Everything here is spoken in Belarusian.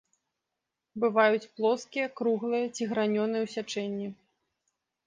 Бываюць плоскія, круглыя ці гранёныя ў сячэнні.